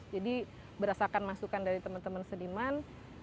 jadi berdasarkan masukan dari teman teman seniman